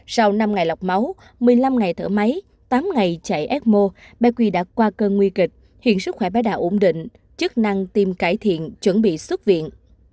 sau năm ngày lọc máu một mươi năm ngày thở máy tám ngày chạy ecmo bé quy đã qua cơn nguy kịch hiện sức khỏe bé đạo ổn định chức năng tiêm cải thiện chuẩn bị xuất viện